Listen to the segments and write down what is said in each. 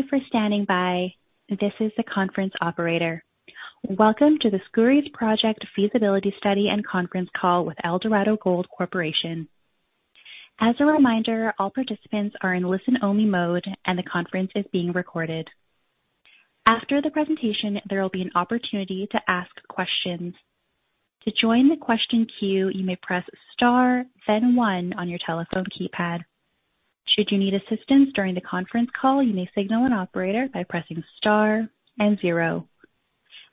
Thank you for standing by. This is the conference operator. Welcome to the Skouries Project Feasibility Study and Conference Call with Eldorado Gold Corporation. As a reminder, all participants are in listen-only mode, and the conference is being recorded. After the presentation, there will be an opportunity to ask questions. To join the question queue you may press star then one on your telephone keypad. Should you need assistance during the conference call, you may signal an operator by pressing star and zero.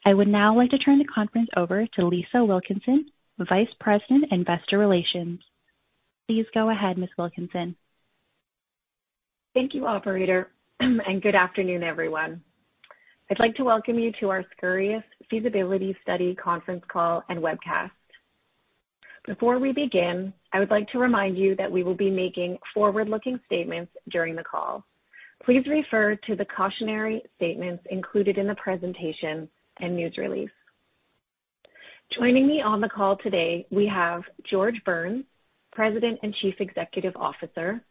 I would now like to turn the conference over to Lisa Wilkinson, Vice President, Investor Relations. Please go ahead, Ms. Wilkinson. Thank you, operator, and good afternoon, everyone. I'd like to welcome you to our Skouries Feasibility Study conference call and webcast. Before we begin, I would like to remind you that we will be making forward-looking statements during the call. Please refer to the cautionary statements included in the presentation and news release. Joining me on the call today, we have George Burns, President and Chief Executive Officer,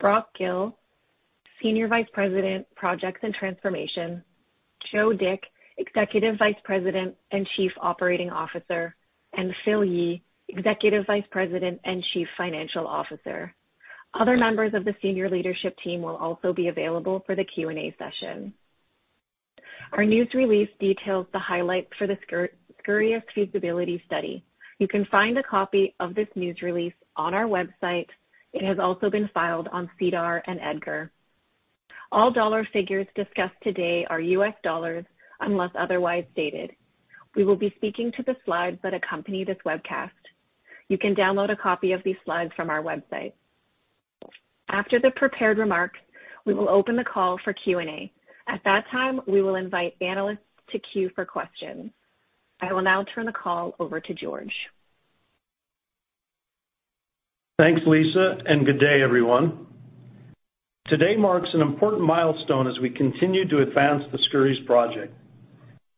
Brock Gill, Senior Vice President, Projects & Transformation, Joseph Dick, Executive Vice President and Chief Operating Officer, and Phil Yee, Executive Vice President and Chief Financial Officer. Other members of the senior leadership team will also be available for the Q&A session. Our news release details the highlights for the Skouries Feasibility Study. You can find a copy of this news release on our website. It has also been filed on SEDAR and EDGAR. All dollar figures discussed today are US dollars unless otherwise stated. We will be speaking to the slides that accompany this webcast. You can download a copy of these slides from our website. After the prepared remarks, we will open the call for Q&A. At that time, we will invite analysts to queue for questions. I will now turn the call over to George. Thanks, Lisa, and good day, everyone. Today marks an important milestone as we continue to advance the Skouries project.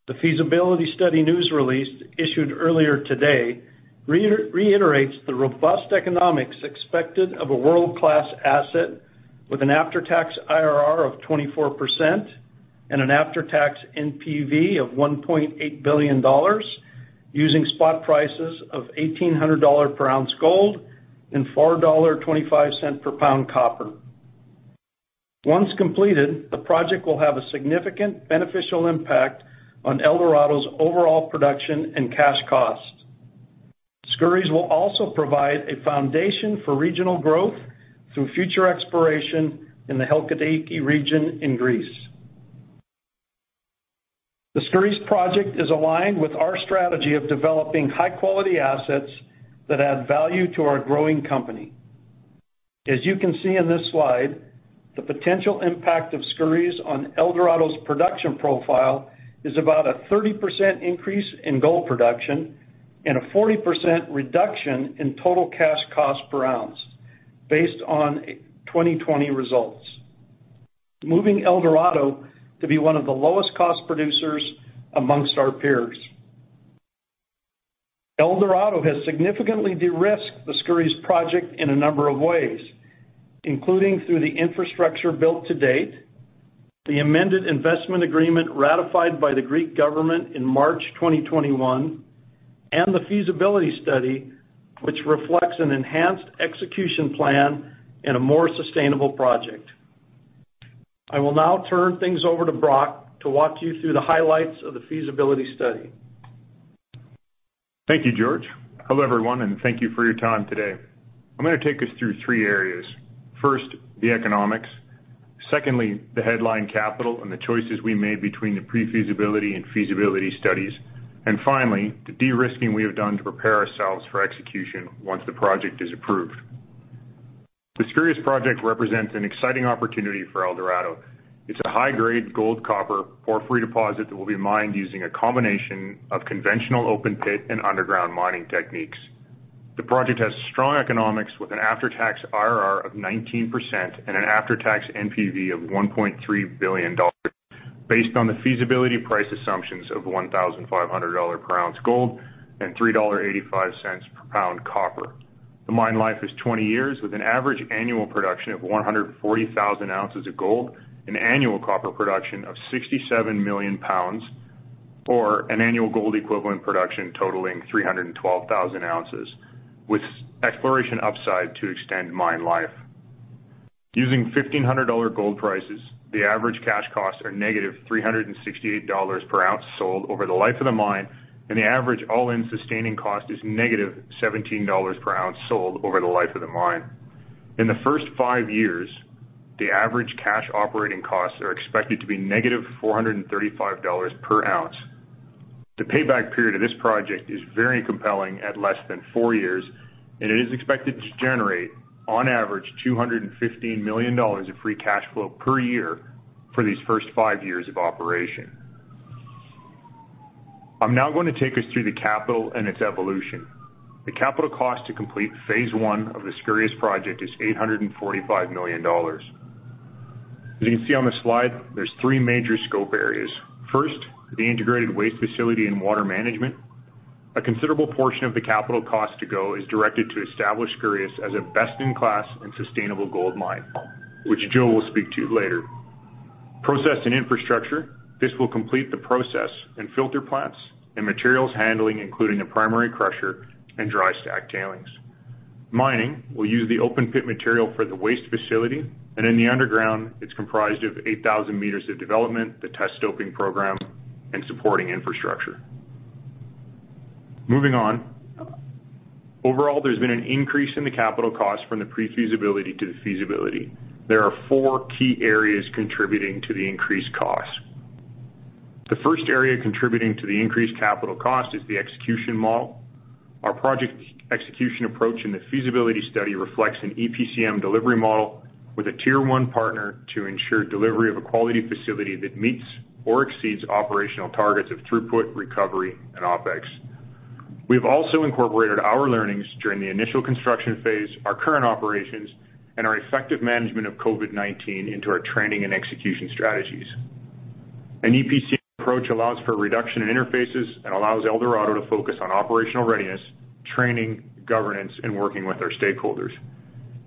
The feasibility study news release issued earlier today reiterates the robust economics expected of a world-class asset with an after-tax IRR of 24% and an after-tax NPV of $1.8 billion using spot prices of $1,800 per ounce gold and $4.25 per pound copper. Once completed, the project will have a significant beneficial impact on Eldorado's overall production and cash cost. Skouries will also provide a foundation for regional growth through future exploration in the Halkidiki region in Greece. The Skouries project is aligned with our strategy of developing high-quality assets that add value to our growing company. As you can see in this slide, the potential impact of Skouries on Eldorado's production profile is about a 30% increase in gold production and a 40% reduction in total cash cost per ounce based on 2020 results, moving Eldorado to be one of the lowest cost producers among our peers. Eldorado has significantly de-risked the Skouries project in a number of ways, including through the infrastructure built to date, the amended investment agreement ratified by the Greek government in March 2021, and the feasibility study, which reflects an enhanced execution plan in a more sustainable project. I will now turn things over to Brock to walk you through the highlights of the feasibility study. Thank you, George. Hello, everyone, and thank you for your time today. I'm gonna take us through three areas. First, the economics. Secondly, the headline capital and the choices we made between the pre-feasibility and feasibility studies. Finally, the de-risking we have done to prepare ourselves for execution once the project is approved. The Skouries project represents an exciting opportunity for Eldorado. It's a high-grade gold-copper porphyry deposit that will be mined using a combination of conventional open pit and underground mining techniques. The project has strong economics with an after-tax IRR of 19% and an after-tax NPV of $1.3 billion based on the feasibility price assumptions of $1,500 per ounce gold and $3.85 per pound copper. The mine life is 20 years with an average annual production of 140,000 ounces of gold, an annual copper production of 67 million pounds, or an annual gold equivalent production totaling 312,000 ounces, with exploration upside to extend mine life. Using $1,500 gold prices, the average cash costs are -$368 per ounce sold over the life of the mine, and the average all-in sustaining cost is -$17 per ounce sold over the life of the mine. In the first five years, the average cash operating costs are expected to be -$435 per ounce. The payback period of this project is very compelling at less than four years, and it is expected to generate, on average, $215 million of free cash flow per year for these first five years of operation. I'm now going to take us through the capital and its evolution. The capital cost to complete phase one of the Skouries project is $845 million. As you can see on the slide, there's three major scope areas. First, the integrated waste facility and water management. A considerable portion of the capital cost to go is directed to establish Skouries as a best in class and sustainable gold mine, which Joe will speak to later. Process and infrastructure. This will complete the process and filter plants and materials handling, including a primary crusher and dry stack tailings. Mining will use the open pit material for the waste facility, and in the underground, it's comprised of 8,000 meters of development, the test stoping program, and supporting infrastructure. Moving on. Overall, there's been an increase in the capital cost from the pre-feasibility to the feasibility. There are four key areas contributing to the increased cost. The first area contributing to the increased capital cost is the execution model. Our project execution approach in the feasibility study reflects an EPCM delivery model with a tier one partner to ensure delivery of a quality facility that meets or exceeds operational targets of throughput, recovery, and OpEx. We've also incorporated our learnings during the initial construction phase, our current operations, and our effective management of COVID-19 into our training and execution strategies. An EPCM approach allows for reduction in interfaces and allows Eldorado to focus on operational readiness, training, governance, and working with our stakeholders.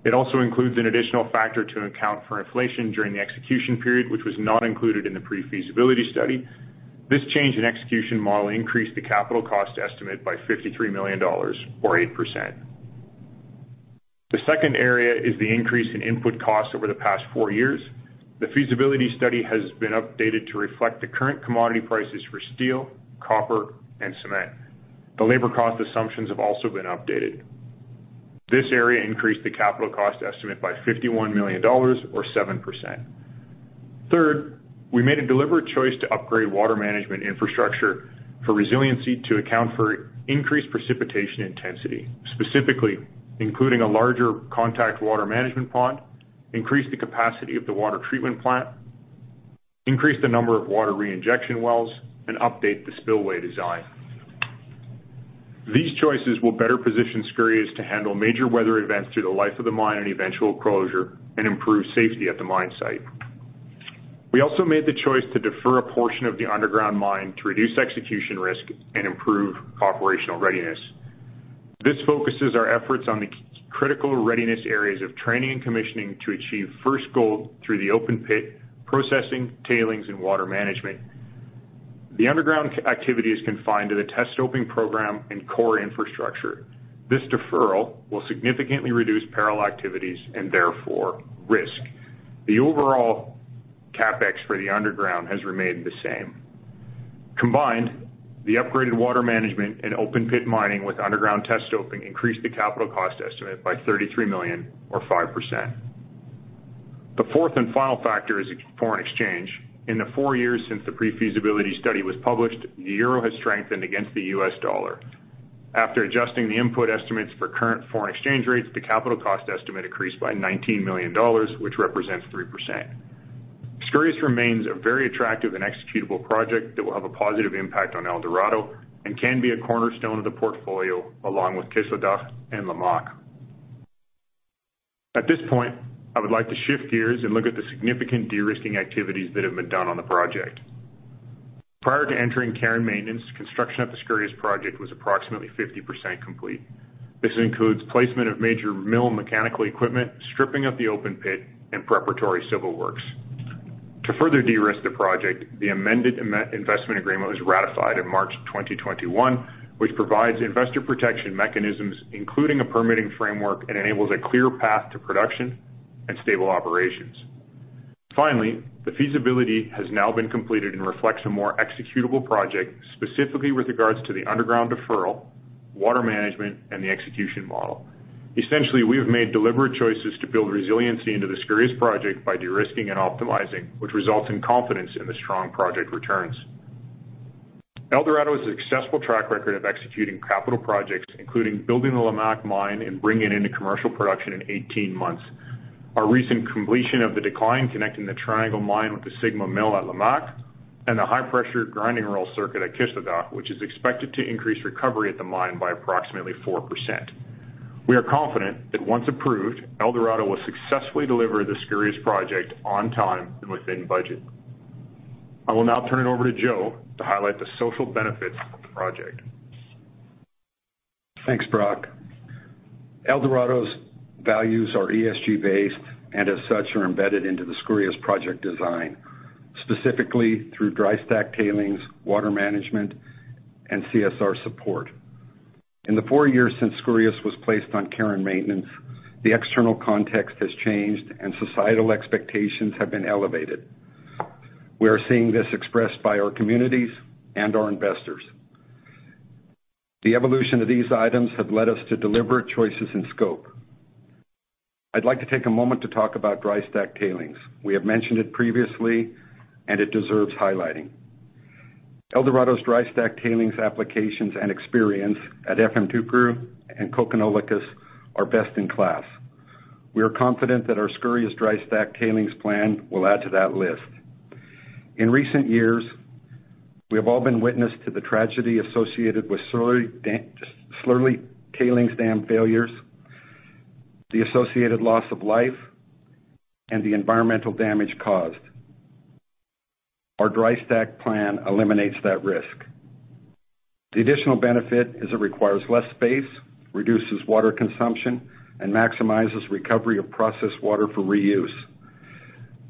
It also includes an additional factor to account for inflation during the execution period, which was not included in the pre-feasibility study. This change in execution model increased the capital cost estimate by $53 million or 8%. The second area is the increase in input costs over the past four years. The feasibility study has been updated to reflect the current commodity prices for steel, copper, and cement. The labor cost assumptions have also been updated. This area increased the capital cost estimate by $51 million or 7%. Third, we made a deliberate choice to upgrade water management infrastructure for resiliency to account for increased precipitation intensity, specifically including a larger contact water management pond, increase the capacity of the water treatment plant, increase the number of water reinjection wells, and update the spillway design. These choices will better position Skouries to handle major weather events through the life of the mine and eventual closure and improve safety at the mine site. We also made the choice to defer a portion of the underground mine to reduce execution risk and improve operational readiness. This focuses our efforts on the critical readiness areas of training and commissioning to achieve first gold through the open pit, processing, tailings, and water management. The underground activity is confined to the test stoping program and core infrastructure. This deferral will significantly reduce parallel activities and therefore risk. The overall CapEx for the underground has remained the same. Combined, the upgraded water management and open pit mining with underground test stoping increased the capital cost estimate by $33 million or 5%. The fourth and final factor is ex-foreign exchange. In the four years since the pre-feasibility study was published, the euro has strengthened against the US dollar. After adjusting the input estimates for current foreign exchange rates, the capital cost estimate increased by $19 million, which represents 3%. Skouries remains a very attractive and executable project that will have a positive impact on Eldorado and can be a cornerstone of the portfolio along with Kışladağ and Lamaque. At this point, I would like to shift gears and look at the significant de-risking activities that have been done on the project. Prior to entering care and maintenance, construction at the Skouries project was approximately 50% complete. This includes placement of major mill mechanical equipment, stripping of the open pit, and preparatory civil works. To further de-risk the project, the amended investment agreement was ratified in March 2021, which provides investor protection mechanisms, including a permitting framework, and enables a clear path to production and stable operations. Finally, the feasibility has now been completed and reflects a more executable project, specifically with regards to the underground deferral, water management, and the execution model. Essentially, we have made deliberate choices to build resiliency into this Skouries project by de-risking and optimizing, which results in confidence in the strong project returns. Eldorado has a successful track record of executing capital projects, including building the Lamaque mine and bringing it into commercial production in 18 months. Our recent completion of the decline connecting the Triangle mine with the Sigma Mill at Lamaque and the high-pressure grinding roll circuit at Kışladağ, which is expected to increase recovery at the mine by approximately 4%. We are confident that once approved, Eldorado will successfully deliver this Skouries project on time and within budget. I will now turn it over to Joe to highlight the social benefits of the project. Thanks, Brock. Eldorado's values are ESG based, and as such, are embedded into the Skouries project design, specifically through dry-stack tailings, water management, and CSR support. In the four years since Skouries was placed on care and maintenance, the external context has changed and societal expectations have been elevated. We are seeing this expressed by our communities and our investors. The evolution of these items have led us to deliberate choices in scope. I'd like to take a moment to talk about dry-stack tailings. We have mentioned it previously and it deserves highlighting. Eldorado's dry-stack tailings applications and experience at Efemçukuru and Kokkinolakkas are best in class. We are confident that our Skouries dry-stack tailings plan will add to that list. In recent years, we have all been witness to the tragedy associated with slurry tailings dam failures, the associated loss of life, and the environmental damage caused. Our dry-stack plan eliminates that risk. The additional benefit is it requires less space, reduces water consumption, and maximizes recovery of processed water for reuse.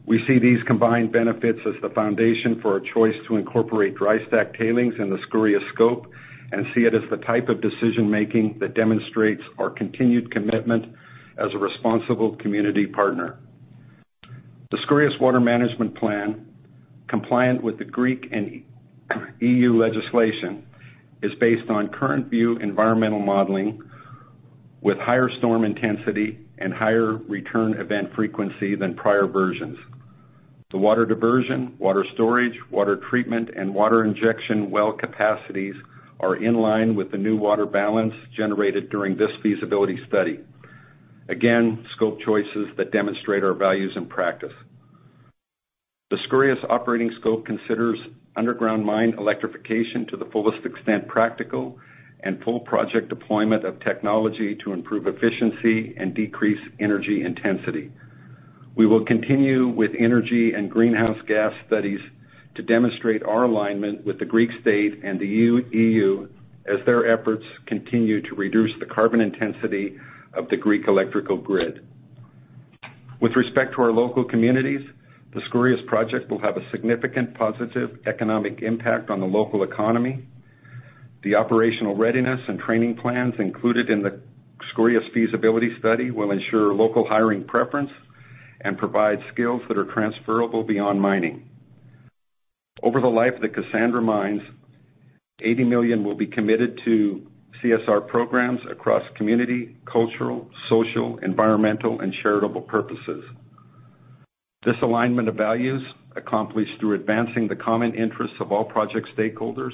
We see these combined benefits as the foundation for our choice to incorporate dry-stack tailings in the Skouries scope and see it as the type of decision-making that demonstrates our continued commitment as a responsible community partner. The Skouries water management plan, compliant with the Greek and EU legislation, is based on current view environmental modeling with higher storm intensity and higher return event frequency than prior versions. The water diversion, water storage, water treatment, and water injection well capacities are in line with the new water balance generated during this feasibility study. Again, scope choices that demonstrate our values and practice. The Skouries operating scope considers underground mine electrification to the fullest extent practical and full project deployment of technology to improve efficiency and decrease energy intensity. We will continue with energy and greenhouse gas studies to demonstrate our alignment with the Greek state and the EU as their efforts continue to reduce the carbon intensity of the Greek electrical grid. With respect to our local communities, the Skouries project will have a significant positive economic impact on the local economy. The operational readiness and training plans included in the Skouries feasibility study will ensure local hiring preference and provide skills that are transferable beyond mining. Over the life of the Kassandra mines, $80 million will be committed to CSR programs across community, cultural, social, environmental, and charitable purposes. This alignment of values, accomplished through advancing the common interests of all project stakeholders,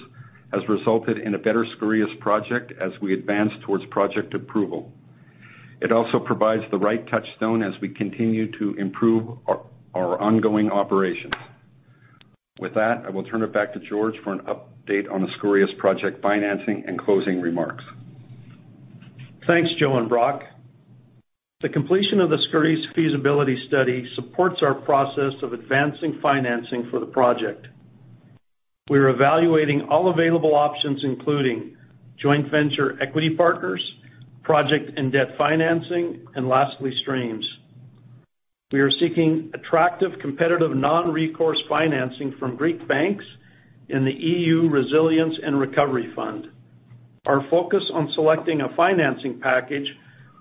has resulted in a better Skouries project as we advance towards project approval. It also provides the right touchstone as we continue to improve our ongoing operations. With that, I will turn it back to George for an update on the Skouries project financing and closing remarks. Thanks, Joe and Brock. The completion of the Skouries feasibility study supports our process of advancing financing for the project. We are evaluating all available options, including joint venture equity partners, project and debt financing, and lastly, streams. We are seeking attractive, competitive, non-recourse financing from Greek banks in the Recovery and Resilience Facility. Our focus on selecting a financing package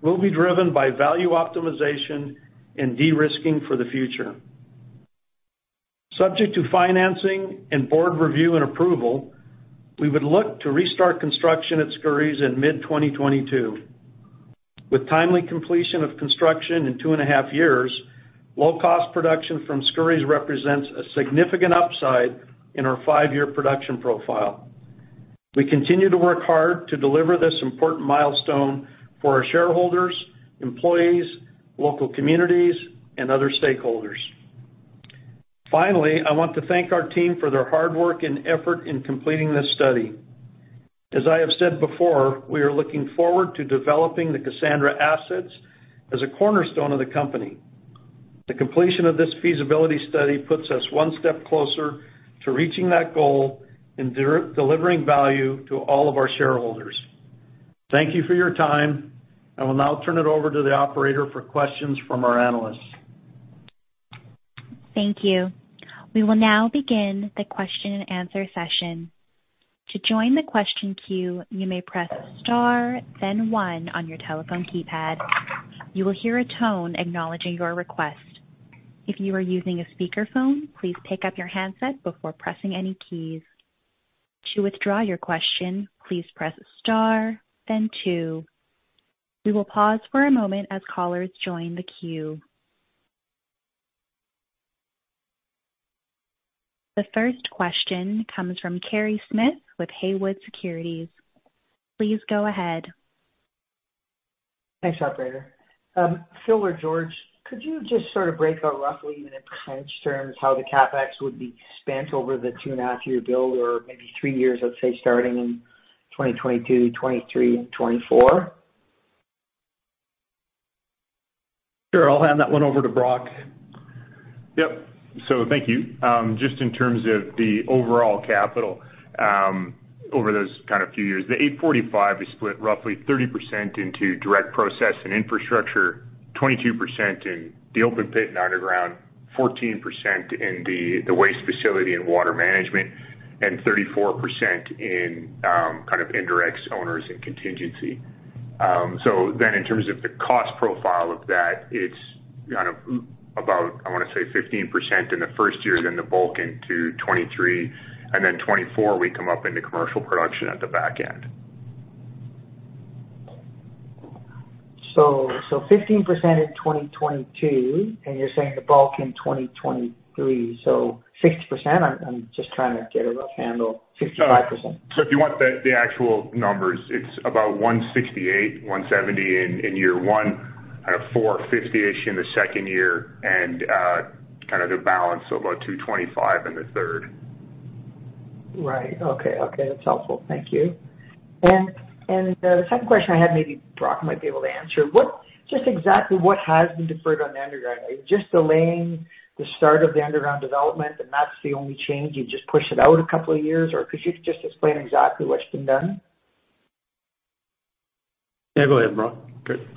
will be driven by value optimization and de-risking for the future. Subject to financing and board review and approval, we would look to restart construction at Skouries in mid-2022. With timely completion of construction in two and a half years, low cost production from Skouries represents a significant upside in our five-year production profile. We continue to work hard to deliver this important milestone for our shareholders, employees, local communities, and other stakeholders. Finally, I want to thank our team for their hard work and effort in completing this study. As I have said before, we are looking forward to developing the Kassandra assets as a cornerstone of the company. The completion of this feasibility study puts us one step closer to reaching that goal and delivering value to all of our shareholders. Thank you for your time. I will now turn it over to the operator for questions from our analysts. Thank you. We will now begin the question and answer session. To join the question queue, you may press star then one on your telephone keypad. You will hear a tone acknowledging your request. If you are using a speakerphone, please pick up your handset before pressing any keys. To withdraw your question, please press star then two. We will pause for a moment as callers join the queue. The first question comes from Kerry Smith with Haywood Securities. Please go ahead. Thanks, operator. Phil or George, could you just sort of break out roughly, even in percentage terms, how the CapEx would be spent over the 2.5-year build or maybe three years, let's say, starting in 2022, 2023, and 2024? Sure. I'll hand that one over to Brock. Yep. Thank you. Just in terms of the overall capital over those kind of few years, the $845 million is split roughly 30% into direct process and infrastructure, 22% in the open pit and underground, 14% in the waste facility and water management, and 34% in kind of indirect owners and contingency. In terms of the cost profile of that, it's kind of about, I wanna say, 15% in the first year, then the bulk into 2023, and then 2024, we come up into commercial production at the back end. 15% in 2022, and you're saying the bulk in 2023. 60%? I'm just trying to get a rough handle. 55%. If you want the actual numbers, it's about $168-$170 in year one, kind of $450-ish in the second year, and kind of the balance of about $225 in the third. Right. Okay. Okay, that's helpful. Thank you. The second question I had, maybe Brock might be able to answer. Just exactly what has been deferred on the underground? Are you just delaying the start of the underground development, and that's the only change, you just push it out a couple of years? Or could you just explain exactly what's been done? Yeah. Go ahead, Brock. Good.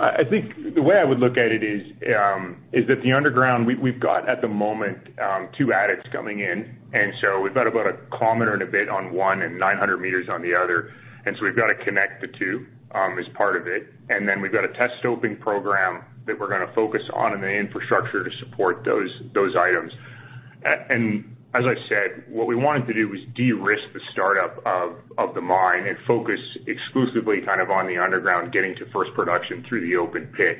I think the way I would look at it is that the underground, we've got at the moment two adits coming in, and we've got about a kilometer and a bit on one and 900 meters on the other. We've got to connect the two as part of it. We've got a test stoping program that we're gonna focus on and the infrastructure to support those items. As I said, what we wanted to do was de-risk the startup of the mine and focus exclusively kind of on the underground, getting to first production through the open pit.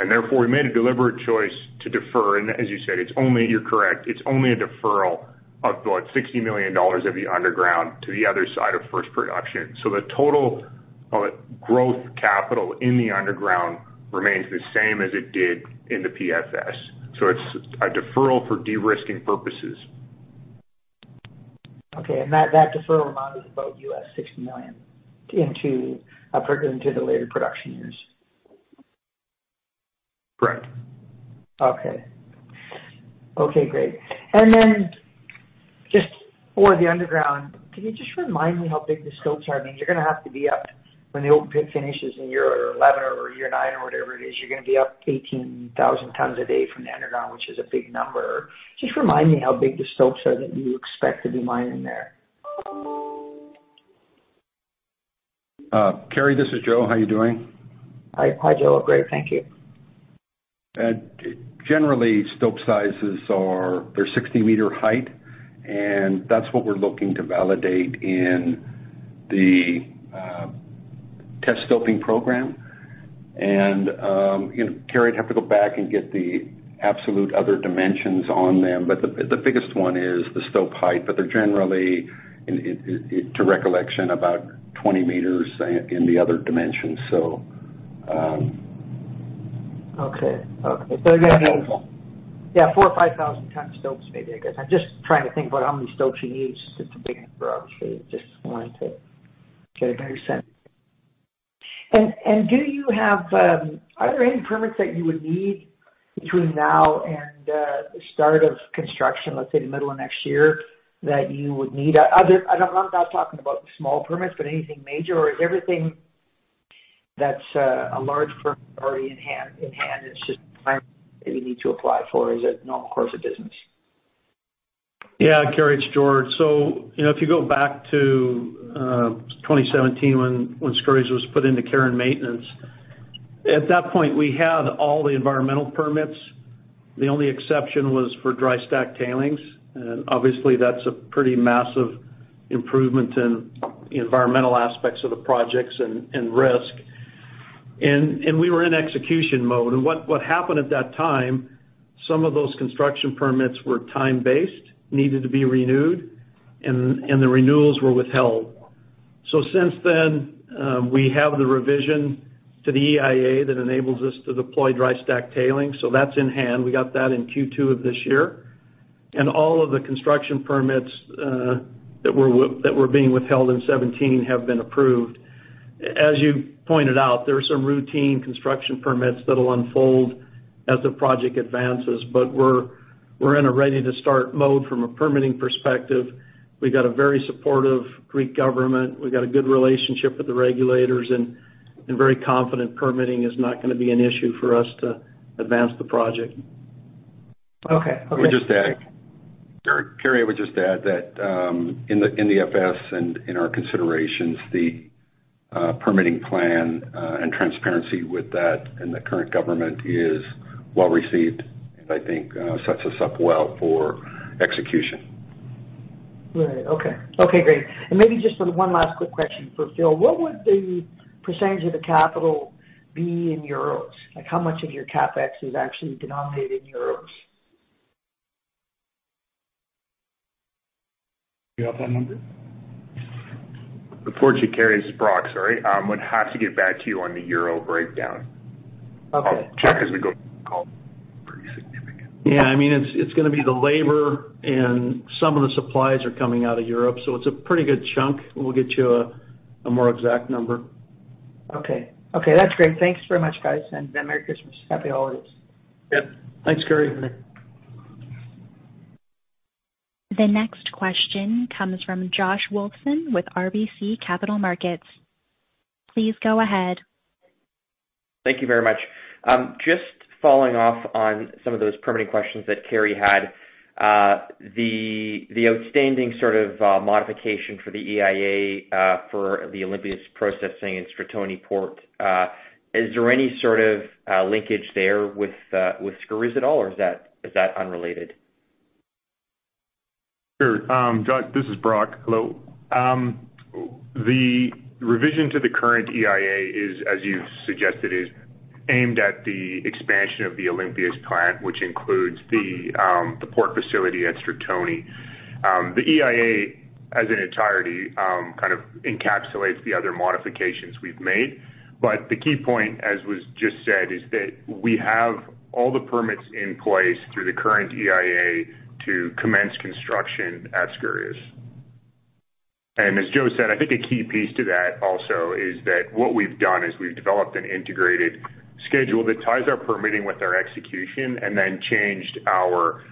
We made a deliberate choice to defer. As you said, it's only. You're correct. It's only a deferral of about $60 million of the underground to the other side of first production. The total growth capital in the underground remains the same as it did in the PFS. It's a deferral for de-risking purposes. Okay. That deferral amount is about $60 million into the later production years. Correct. Okay. Okay, great. Just for the underground, can you just remind me how big the stopes are? I mean, you're gonna have to be up when the open pit finishes in year 11 or year nine or whatever it is. You're gonna be up 18,000 tons a day from the underground, which is a big number. Just remind me how big the stopes are that you expect to be mining there. Carey, this is Joe. How are you doing? Hi. Hi, Joe. Great, thank you. Generally, stope sizes are. They're 60-meter height, and that's what we're looking to validate in the test stoping program. You know, Carey, I'd have to go back and get the absolute other dimensions on them, but the biggest one is the stope height, but they're generally, in my recollection, about 20 meters in the other dimensions, so. Okay. You're gonna be, yeah, 4,000 or 5,000 ton stopes, maybe. I guess I'm just trying to think about how many stopes you need. It's a big number, obviously. Just wanting to get a better sense. Are there any permits that you would need between now and the start of construction, let's say the middle of next year, that you would need? I'm not talking about the small permits, but anything major, or is everything that's a large permit already in hand, it's just time that you need to apply for? Is it normal course of business? Yeah. Kerry, it's George. You know, if you go back to 2017 when Skouries was put into care and maintenance, at that point, we had all the environmental permits. The only exception was for dry-stack tailings. Obviously, that's a pretty massive improvement in environmental aspects of the projects and risk. We were in execution mode. What happened at that time, some of those construction permits were time-based, needed to be renewed, and the renewals were withheld. Since then, we have the revision to the EIA that enables us to deploy dry-stack tailings. That's in hand. We got that in Q2 of this year. All of the construction permits that were being withheld in 2017 have been approved. As you pointed out, there are some routine construction permits that'll unfold as the project advances, but we're in a ready to start mode from a permitting perspective. We've got a very supportive Greek government. We've got a good relationship with the regulators and we're very confident permitting is not gonna be an issue for us to advance the project. Okay. Okay. Let me just add. Kerry, I would just add that, in the FS and in our considerations, the permitting plan and transparency with that in the current government is well received, and I think sets us up well for execution. Right. Okay, great. Maybe just one last quick question for Phil. What would the percentage of the capital be in euros? Like, how much of your CapEx is actually denominated in euros? Do you have that number? Unfortunately, Carey, this is Brock, sorry, would have to get back to you on the euro breakdown. Okay. I'll check as we go through the call. Pretty significant. Yeah. I mean, it's gonna be the labor and some of the supplies are coming out of Europe, so it's a pretty good chunk. We'll get you a more exact number. Okay. Okay, that's great. Thanks very much, guys. Merry Christmas. Happy holidays. Yep. Thanks, Carey. The next question comes from Josh Wolfson with RBC Capital Markets. Please go ahead. Thank you very much. Just following up on some of those permitting questions that Carey had, the outstanding modification for the EIA for the Olympias processing and Stratoni port, is there any sort of linkage there with Skouries at all, or is that unrelated? Sure. Josh, this is Brock. Hello. The revision to the current EIA, as you suggested, is aimed at the expansion of the Olympias plant, which includes the port facility at Stratoni. The EIA as an entirety kind of encapsulates the other modifications we've made. The key point, as was just said, is that we have all the permits in place through the current EIA to commence construction at Skouries. As Joe said, I think a key piece to that also is that what we've done is we've developed an integrated schedule that ties our permitting with our execution and then changed our,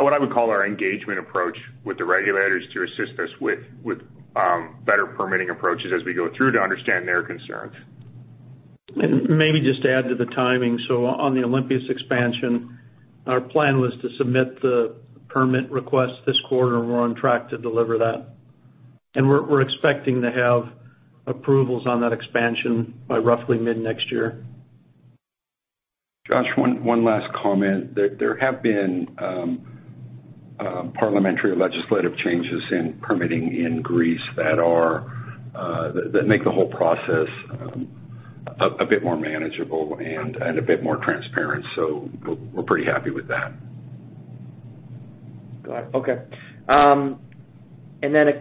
what I would call our engagement approach with the regulators to assist us with better permitting approaches as we go through to understand their concerns. Maybe just to add to the timing. On the Olympias expansion, our plan was to submit the permit request this quarter, and we're on track to deliver that. We're expecting to have approvals on that expansion by roughly mid-next year. Josh, one last comment. There have been parliamentary or legislative changes in permitting in Greece that make the whole process a bit more manageable and a bit more transparent. We're pretty happy with that. Got it. Okay.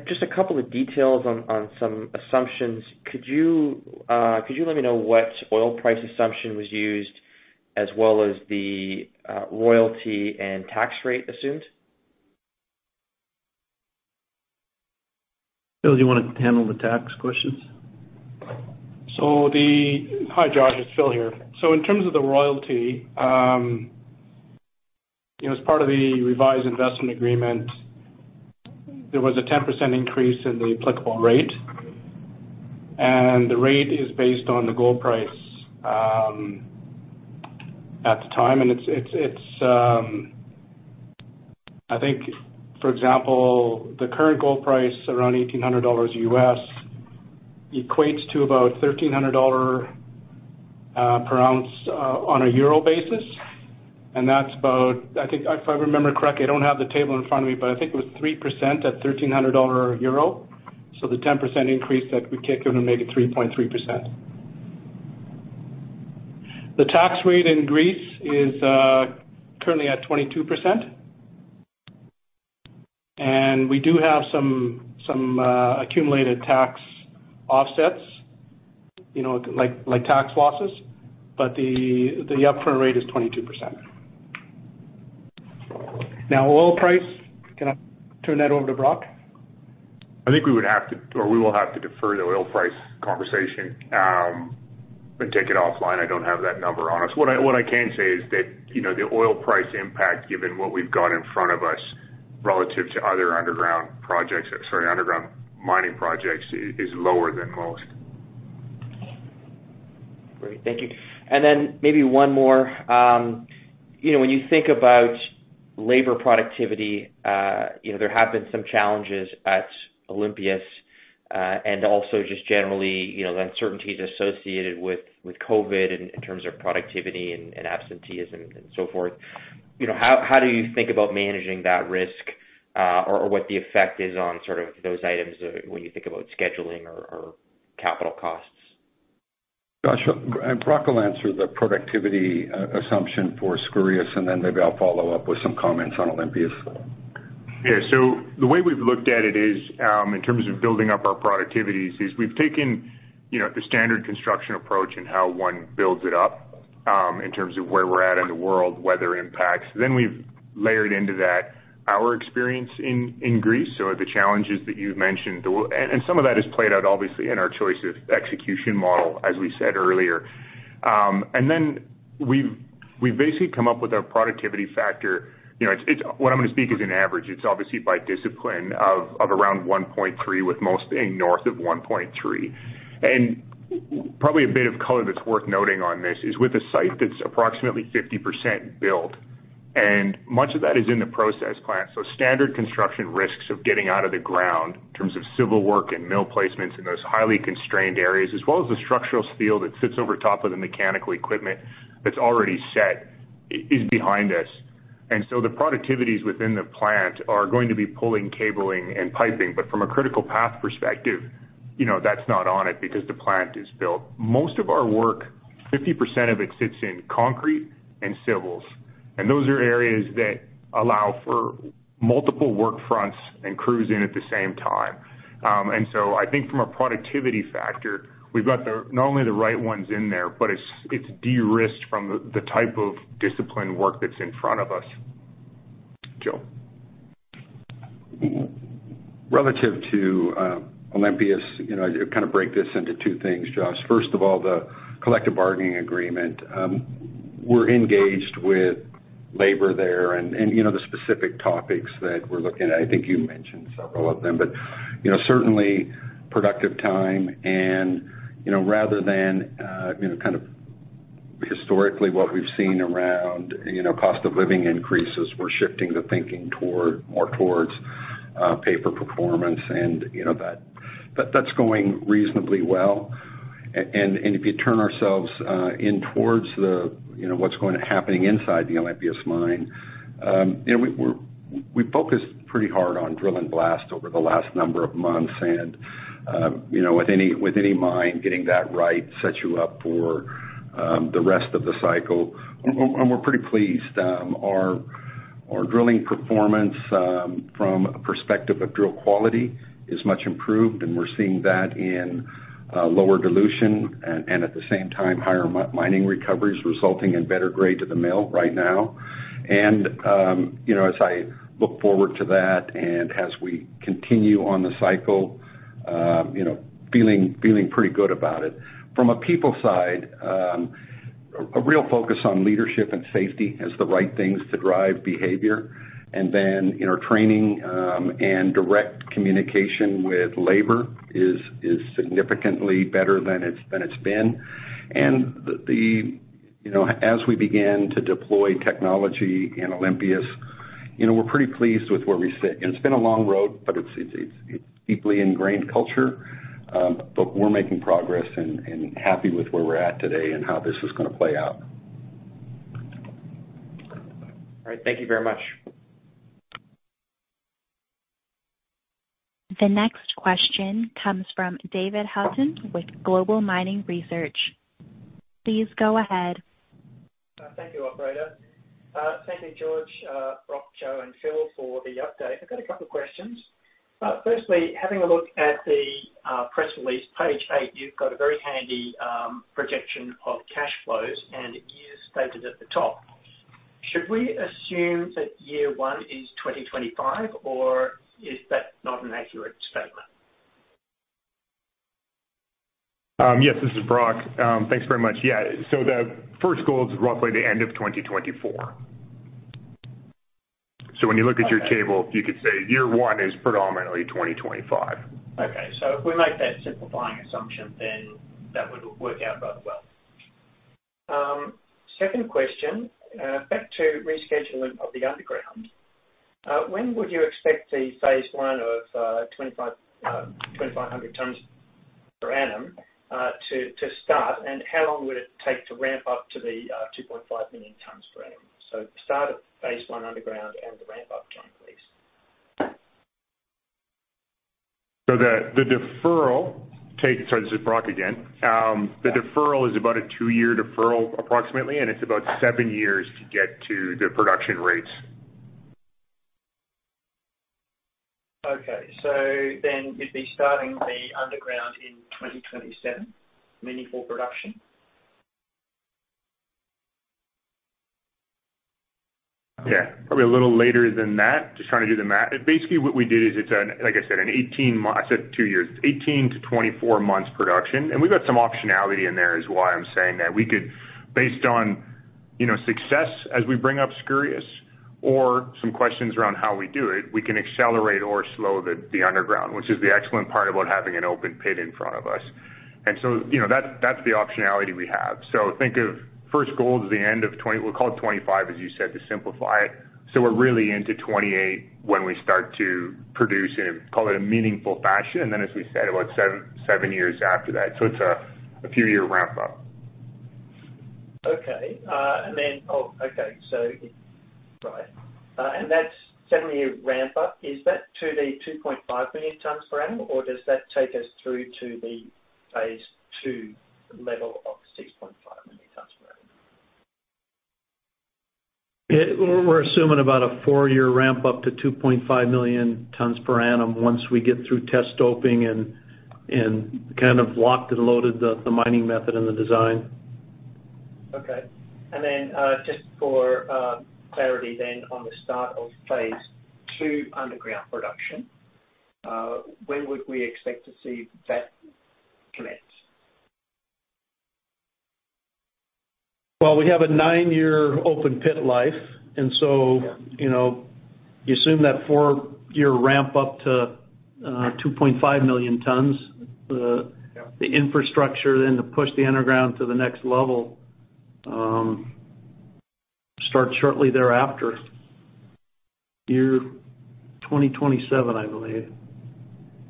Just a couple of details on some assumptions. Could you let me know what oil price assumption was used as well as the royalty and tax rate assumed? Phil, do you wanna handle the tax questions? Hi, Josh, it's Phil here. In terms of the royalty, you know, as part of the revised investment agreement, there was a 10% increase in the applicable rate, and the rate is based on the gold price at the time. It's, I think, for example, the current gold price around $1,800 equates to about EUR 1,300 per ounce on a euro basis. That's about, I think if I remember correctly, I don't have the table in front of me, but I think it was 3% at 1,300 euro. The 10% increase, that would kick it maybe 3.3%. The tax rate in Greece is currently at 22%. We do have some accumulated tax offsets, you know, like tax losses, but the upfront rate is 22%. Now, oil price, can I turn that over to Brock? I think we would have to, or we will have to defer the oil price conversation, and take it offline. I don't have that number on us. What I can say is that, you know, the oil price impact, given what we've got in front of us relative to other underground mining projects, is lower than most. Great. Thank you. Maybe one more. You know, when you think about labor productivity, you know, there have been some challenges at Olympias, and also just generally, you know, the uncertainties associated with COVID in terms of productivity and absenteeism and so forth. You know, how do you think about managing that risk, or what the effect is on sort of those items, when you think about scheduling or capital costs? Josh, and Brock will answer the productivity assumption for Skouries, and then maybe I'll follow up with some comments on Olympias. Yeah. The way we've looked at it is, in terms of building up our productivities, is we've taken, you know, the standard construction approach and how one builds it up, in terms of where we're at in the world, weather impacts. We've layered into that our experience in Greece. The challenges that you've mentioned. Some of that is played out obviously in our choice of execution model, as we said earlier. We've basically come up with our productivity factor. You know, it's what I'm gonna speak is an average, it's obviously by discipline of around 1.3, with most being north of 1.3. Probably a bit of color that's worth noting on this is with a site that's approximately 50% built, and much of that is in the process plant. Standard construction risks of getting out of the ground in terms of civil work and mill placements in those highly constrained areas, as well as the structural steel that sits over top of the mechanical equipment that's already set is behind us. The productivities within the plant are going to be pulling cabling and piping. From a critical path perspective, you know, that's not on it because the plant is built. Most of our work, 50% of it sits in concrete and civils, and those are areas that allow for multiple work fronts and crews in at the same time. I think from a productivity factor, we've got not only the right ones in there, but it's de-risked from the type of discipline work that's in front of us. Joe? Relative to Olympias, you know, kind of break this into two things, Josh. First of all, the collective bargaining agreement, we're engaged with labor there and, you know, the specific topics that we're looking at, I think you mentioned several of them. You know, certainly productive time and, you know, rather than, you know, kind of historically what we've seen around, you know, cost of living increases, we're shifting the thinking toward, more towards, pay for performance, and, you know, that's going reasonably well. If you turn ourselves in towards the, you know, what's happening inside the Olympias mine, you know, we focused pretty hard on drill and blast over the last number of months. You know, with any mine, getting that right sets you up for the rest of the cycle. We're pretty pleased. Our drilling performance from a perspective of drill quality is much improved, and we're seeing that in lower dilution and at the same time, higher mining recoveries resulting in better grade to the mill right now. You know, as I look forward to that, and as we continue on the cycle, you know, feeling pretty good about it. From a people side, a real focus on leadership and safety as the right things to drive behavior. You know, training and direct communication with labor is significantly better than it's been. You know, as we begin to deploy technology in Olympias, you know, we're pretty pleased with where we sit. It's been a long road, but it's deeply ingrained culture, but we're making progress and happy with where we're at today and how this is gonna play out. All right. Thank you very much. The next question comes from David Haughton with Global Mining Research. Please go ahead. Thank you, operator. Thank you, George, Brock, Joe, and Phil for the update. I've got a couple questions. Firstly, having a look at the press release, page eight you've got a very handy projection of cash flows and years stated at the top. Should we assume that year one is 2025, or is that not an accurate statement? Yes, this is Brock. Thanks very much. Yeah. The first goal is roughly the end of 2024. When you look at your table, you could say year one is predominantly 2025. Okay. If we make that simplifying assumption, then that would work out rather well. Second question, back to rescheduling of the underground. When would you expect phase one of 2,500 tons per annum to start, and how long would it take to ramp up to the 2.5 million tons per annum? Start at phase one underground and the ramp up time, please. Sorry, this is Brock again. The deferral is about a two-year deferral approximately, and it's about seven years to get to the production rates. Okay. You'd be starting the underground in 2027, meaningful production? Yeah. Probably a little later than that. Just trying to do the math. Basically, what we did is, like I said, 18-24 months production. We've got some optionality in there is why I'm saying that. We could, based on, you know, success as we bring up Skouries or some questions around how we do it, we can accelerate or slow the underground, which is the excellent part about having an open pit in front of us. You know, that's the optionality we have. Think of first goal is the end of 2025, we'll call it 2025, as you said, to simplify it. We're really into 2028 when we start to produce, call it, in a meaningful fashion. Then, as we said, about seven years after that. It's a few-year ramp up. That seven-year ramp up, is that to the 2.5 million tons per annum, or does that take us through to the phase two level of 6.5 million tons per annum? We're assuming about a four-year ramp up to 2.5 million tons per annum once we get through test stoping and kind of locked and loaded the mining method and the design. Okay. Just for clarity then on the start of phase two underground production, when would we expect to see that commence? Well, we have a nine year open-pit life. Yeah. You know, you assume that four-year ramp up to 2.5 million tons. Yeah. The infrastructure to push the underground to the next level starts shortly thereafter. Year 2027, I believe.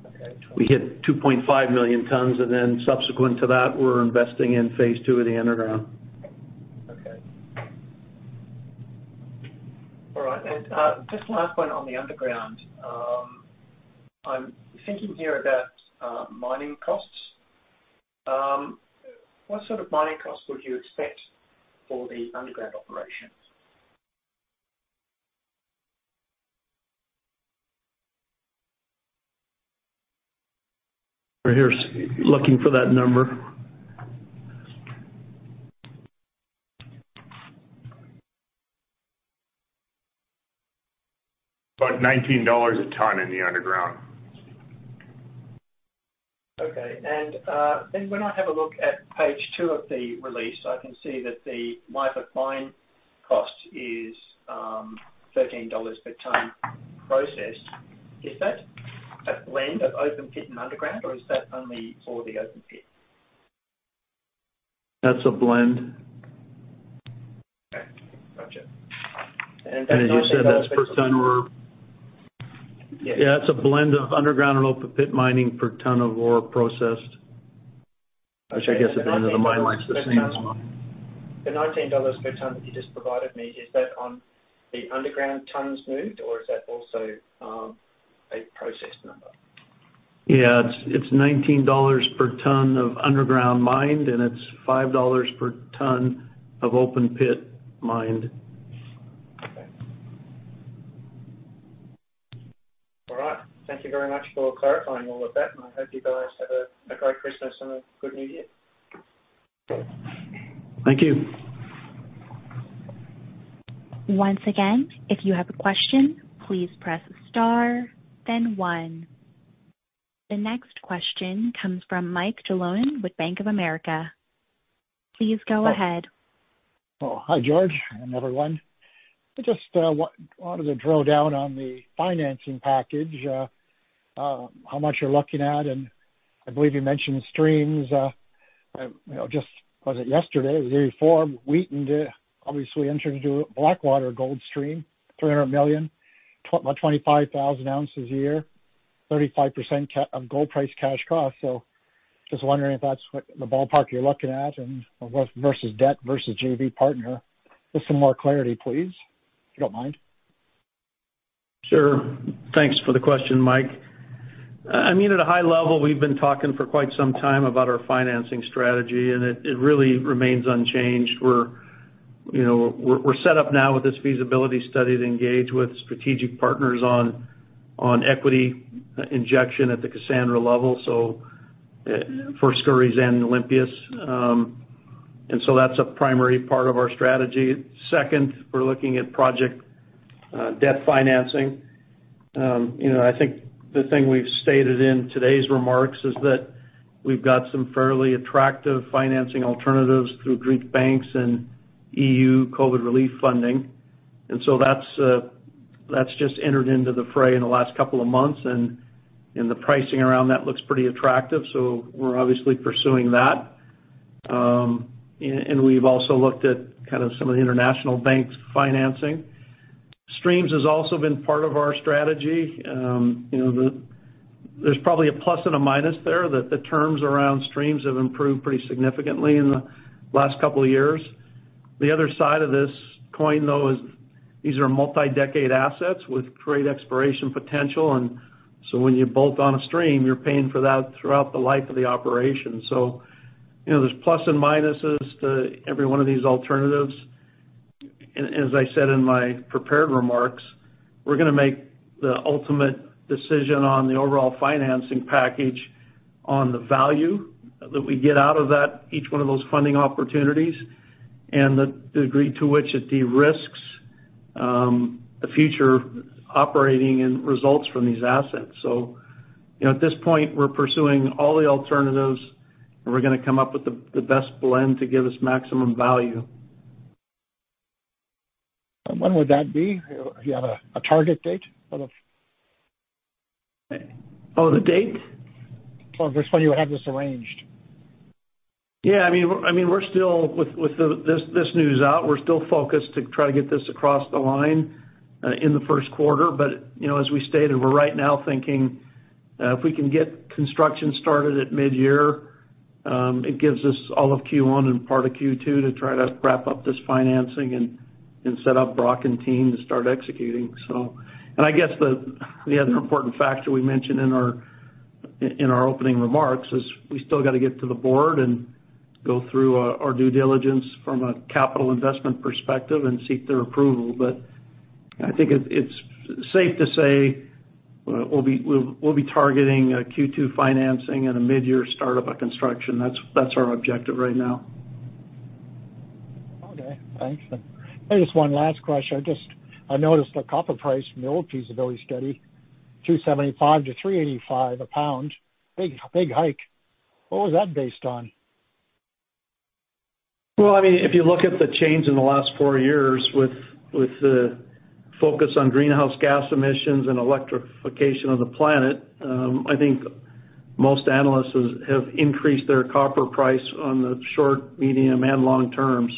Okay. We hit 2.5 million tons, and then subsequent to that, we're investing in phase two of the underground. Okay. All right. Just last one on the underground. I'm thinking here about mining costs. What sort of mining costs would you expect for the underground operations? Right here, looking for that number. About $19 a ton in the underground. Okay. When I have a look at page two of the release, I can see that the life of mine cost is $13 per ton processed. Is that a blend of open pit and underground, or is that only for the open pit? That's a blend. Okay. Gotcha. As you said, that's per ton ore. Yeah. Yeah, it's a blend of underground and open pit mining per ton of ore processed. Okay. Which I guess at the end of the mine life is the same as well. The $19 per ton that you just provided me, is that on the underground tons moved or is that also a processed number? It's $19 per ton of underground mined, and it's $5 per ton of open pit mined. Okay. All right. Thank you very much for clarifying all of that, and I hope you guys have a great Christmas and a good New Year. Thank you. Once again, if you have a question, please press star then one. The next question comes from Michael Jalonen with Bank of America. Please go ahead. Oh, hi, George and everyone. I just wanted to drill down on the financing package. How much you're looking at, and I believe you mentioned streams. You know, just, was it yesterday? The Artemis Gold obviously entered into Blackwater gold stream, $300 million, about 25,000 ounces a year, 35% gold price cash cost. Just wondering if that's what the ballpark you're looking at and versus debt, versus JV partner. Just some more clarity, please, if you don't mind. Sure. Thanks for the question, Mike. I mean, at a high level, we've been talking for quite some time about our financing strategy, and it really remains unchanged. We're set up now with this feasibility study to engage with strategic partners on equity injection at the Kassandra level, so for Skouries and Olympias. That's a primary part of our strategy. Second, we're looking at project debt financing. I think the thing we've stated in today's remarks is that we've got some fairly attractive financing alternatives through Greek banks and EU COVID relief funding. That's just entered into the fray in the last couple of months, and the pricing around that looks pretty attractive, so we're obviously pursuing that. We've also looked at kind of some of the international banks financing. Streams has also been part of our strategy. You know, there's probably a plus and a minus there that the terms around streams have improved pretty significantly in the last couple of years. The other side of this coin, though, is these are multi-decade assets with great exploration potential, and so when you bolt on a stream, you're paying for that throughout the life of the operation. You know, there's plus and minuses to every one of these alternatives. As I said in my prepared remarks, we're gonna make the ultimate decision on the overall financing package on the value that we get out of that, each one of those funding opportunities, and the degree to which it de-risks the future operating and results from these assets. You know, at this point, we're pursuing all the alternatives, and we're gonna come up with the best blend to give us maximum value. When would that be? Do you have a target date for the Oh, the date? Just when you have this arranged. I mean, we're still with this news out. We're still focused to try to get this across the line in the first quarter. You know, as we stated, we're right now thinking if we can get construction started at mid-year. It gives us all of Q1 and part of Q2 to try to wrap up this financing and set up Brock and team to start executing so. I guess the other important factor we mentioned in our opening remarks is we still gotta get to the board and go through our due diligence from a capital investment perspective and seek their approval. I think it's safe to say we'll be targeting a Q2 financing and a mid-year start up of construction. That's our objective right now. Okay. Thanks. Just one last question. I just noticed the copper price from the old feasibility study, $2.75-$3.85 a pound. Big hike. What was that based on? Well, I mean, if you look at the change in the last four years with the focus on greenhouse gas emissions and electrification of the planet, I think most analysts have increased their copper price on the short, medium, and long-term.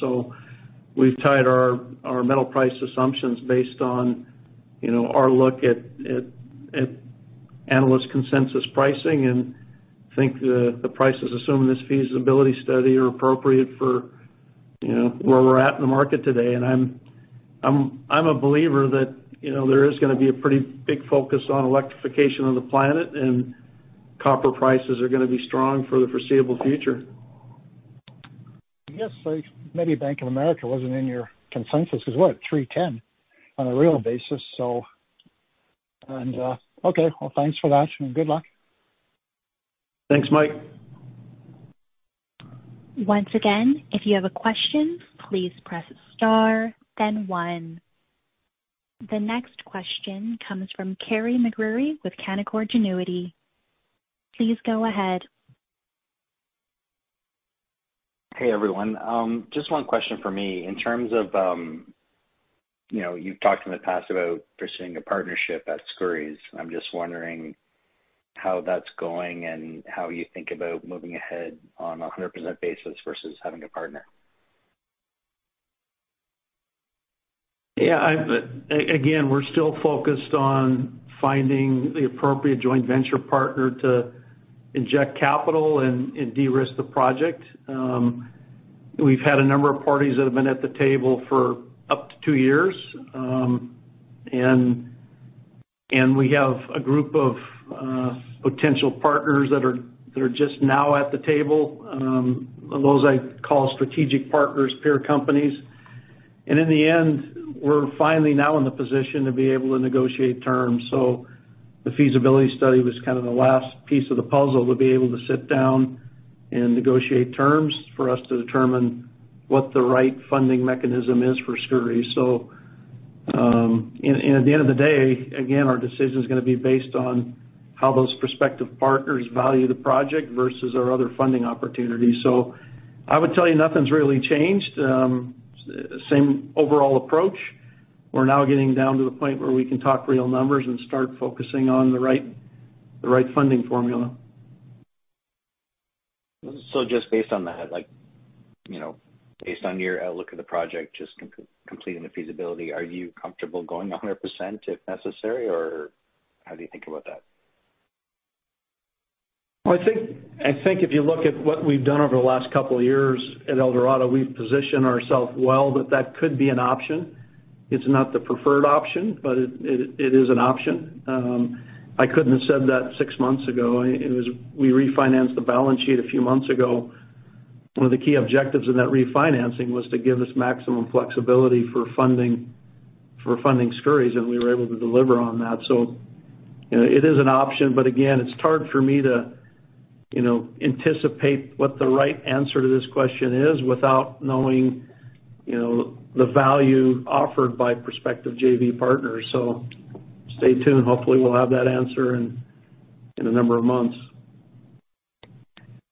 We've tied our metal price assumptions based on, you know, our look at analyst consensus pricing and think the prices assumed in this feasibility study are appropriate for, you know, where we're at in the market today. I'm a believer that, you know, there is gonna be a pretty big focus on electrification of the planet, and copper prices are gonna be strong for the foreseeable future. I guess, like, maybe Bank of America wasn't in your consensus 'cause we're at $3.10 on a real basis. Okay, well, thanks for that and good luck. Thanks, Mike. Once again, if you have a question, please press star then one. The next question comes from Carey MacRury with Canaccord Genuity. Please go ahead. Hey, everyone. Just one question for me. In terms of, you know, you've talked in the past about pursuing a partnership at Skouries. I'm just wondering how that's going and how you think about moving ahead on a 100% basis versus having a partner. Yeah. Again, we're still focused on finding the appropriate joint venture partner to inject capital and de-risk the project. We've had a number of parties that have been at the table for up to two years. We have a group of potential partners that are just now at the table, those I call strategic partners, peer companies. In the end, we're finally now in the position to be able to negotiate terms. The feasibility study was kind of the last piece of the puzzle to be able to sit down and negotiate terms for us to determine what the right funding mechanism is for Skouries. At the end of the day, again, our decision is gonna be based on how those prospective partners value the project versus our other funding opportunities. I would tell you, nothing's really changed. Same overall approach. We're now getting down to the point where we can talk real numbers and start focusing on the right funding formula. Just based on that, like, you know, based on your outlook of the project, just completing the feasibility, are you comfortable going 100% if necessary or how do you think about that? I think if you look at what we've done over the last couple of years at Eldorado, we've positioned ourself well that could be an option. It's not the preferred option, but it is an option. I couldn't have said that six months ago. We refinanced the balance sheet a few months ago. One of the key objectives in that refinancing was to give us maximum flexibility for funding Skouries, and we were able to deliver on that. You know, it is an option, but again, it's hard for me to anticipate what the right answer to this question is without knowing the value offered by prospective JV partners. Stay tuned. Hopefully, we'll have that answer in a number of months.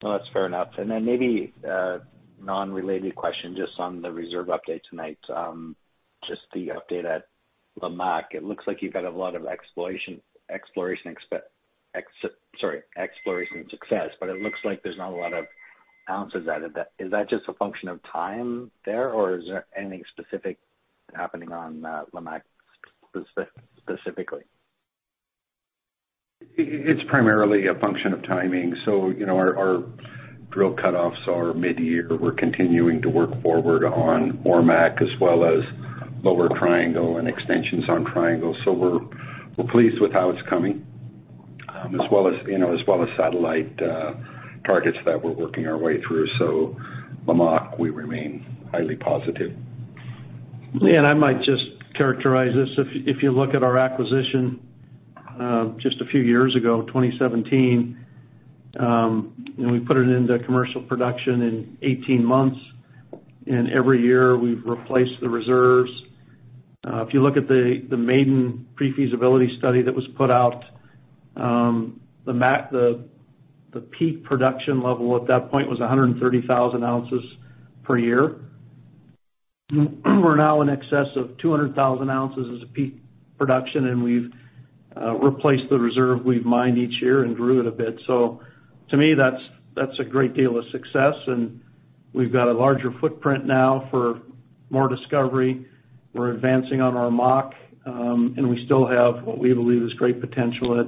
No, that's fair enough. Then maybe an unrelated question just on the reserve update tonight. Just the update at Lamaque. It looks like you've had a lot of exploration success, but it looks like there's not a lot of ounces out of that. Is that just a function of time there, or is there anything specific happening on Lamaque specifically? It's primarily a function of timing. You know, our drill cutoffs are mid-year. We're continuing to work forward on Ormaque as well as lower Triangle and extensions on Triangle. We're pleased with how it's coming, as well as, you know, satellite targets that we're working our way through. Lamaque, we remain highly positive. Yeah. I might just characterize this. If you look at our acquisition just a few years ago, 2017, and we put it into commercial production in 18 months, and every year, we've replaced the reserves. If you look at the maiden pre-feasibility study that was put out, the Lamaque peak production level at that point was 130,000 ounces per year. We're now in excess of 200,000 ounces as a peak production, and we've replaced the reserves we've mined each year and grew it a bit. To me, that's a great deal of success. We've got a larger footprint now for more discovery. We're advancing on our Lamaque, and we still have what we believe is great potential at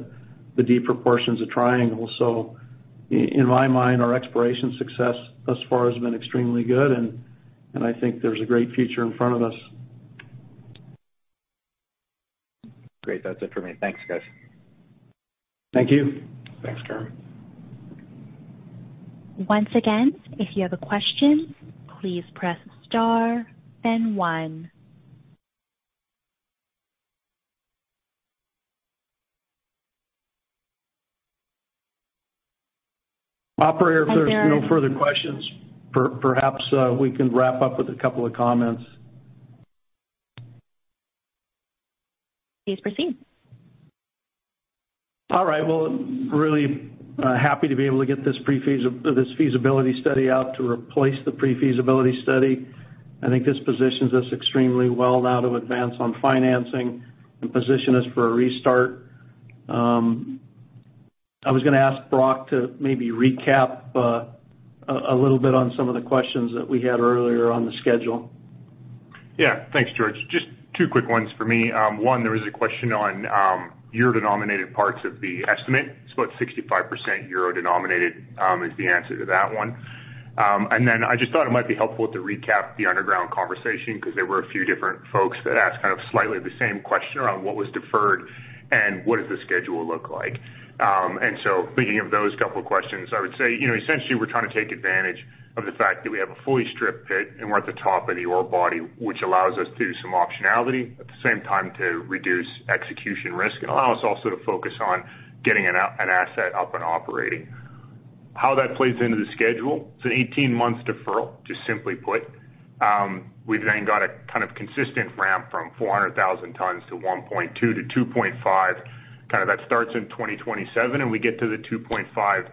the deeper portions of Triangle. In my mind, our exploration success thus far has been extremely good, and I think there's a great future in front of us. Great. That's it for me. Thanks, guys. Thank you. Thanks, Carey MacRury. Once again, if you have a question, please press star then one. Operator, if there's no further questions perhaps, we can wrap up with a couple of comments. Please proceed. All right. Well, really, happy to be able to get this feasibility study out to replace the pre-feasibility study. I think this positions us extremely well now to advance on financing and position us for a restart. I was gonna ask Brock to maybe recap a little bit on some of the questions that we had earlier on the schedule. Yeah. Thanks, George. Just two quick ones for me. One, there was a question on euro-denominated parts of the estimate. It's about 65% euro denominated, is the answer to that one. I just thought it might be helpful to recap the underground conversation because there were a few different folks that asked kind of slightly the same question around what was deferred and what does the schedule look like. Thinking of those couple questions, I would say, you know, essentially, we're trying to take advantage of the fact that we have a fully stripped pit, and we're at the top of the ore body, which allows us to do some optionality, at the same time to reduce execution risk and allow us also to focus on getting an asset up and operating. How that plays into the schedule, it's an 18 months deferral, just simply put. We've then got a kind of consistent ramp from 400,000 tons to 1.2 to 2.5. Kinda that starts in 2027, and we get to the 2.5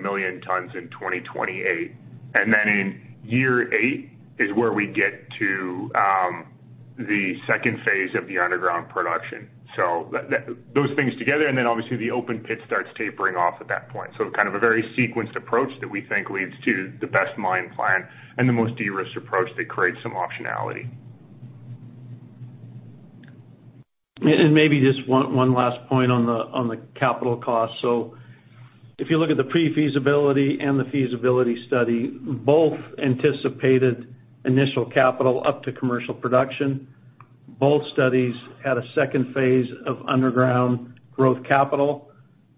million tons in 2028. Then in year eight is where we get to the second phase of the underground production. Those things together, and then obviously the open pit starts tapering off at that point. Kind of a very sequenced approach that we think leads to the best mine plan and the most de-risked approach that creates some optionality. Maybe just one last point on the capital cost. If you look at the pre-feasibility and the feasibility study, both anticipated initial capital up to commercial production. Both studies had a second phase of underground growth capital,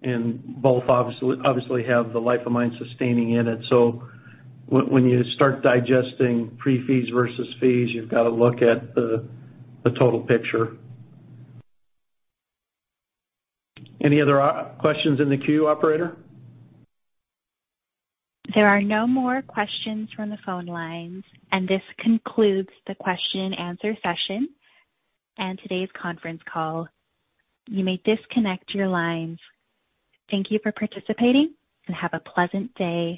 and both obviously have the life of mine sustaining in it. When you start digesting pre fees versus fees, you've got to look at the total picture. Any other questions in the queue, operator? There are no more questions from the phone lines, and this concludes the question and answer session and today's conference call. You may disconnect your lines. Thank you for participating, and have a pleasant day.